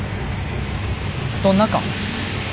どんなか？